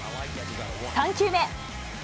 ３球目。